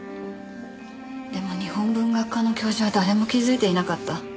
でも日本文学科の教授は誰も気づいていなかった。